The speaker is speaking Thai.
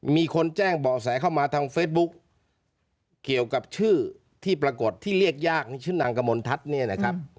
มีคนแจ้งเบาะแสเข้ามาทางเฟซบุ๊กเกี่ยวกับชื่อที่ปรากฏที่เรียกยากนี่ชื่อนางกมลทัศน์เนี่ยนะครับ